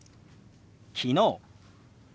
「昨日」。